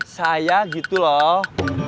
saya gitu loh